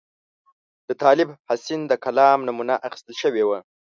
د طالب حسین د کلام نمونه اخیستل شوې وه.